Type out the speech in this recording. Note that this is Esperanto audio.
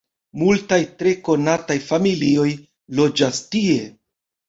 Multaj tre konataj familioj loĝas tie.